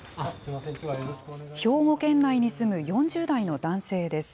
兵庫県内に住む４０代の男性です。